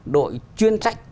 đội chuyên trách